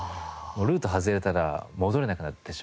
ルート外れたら戻れなくなってしまうので。